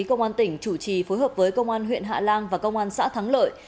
công an tp hcm phối hợp với công an huyện hạ lan và công an xã thắng lợi